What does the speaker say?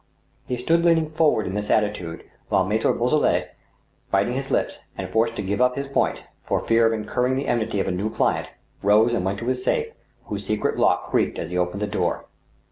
He stood leaning forward in this attitude while Mattre Boisselot, biting his lips, and forced to give up his point, for fear of incurring the enmity of a new client, rose and went to his safe, whose secret lock creaked as he opened the door.